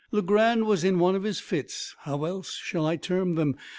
Legrand was in one of his fits how else shall I term them?